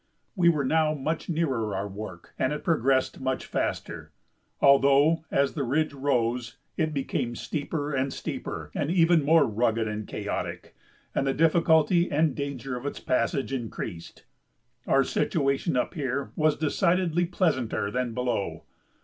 We were now much nearer our work and it progressed much faster, although as the ridge rose it became steeper and steeper and even more rugged and chaotic, and the difficulty and danger of its passage increased. Our situation up here was decidedly pleasanter than below.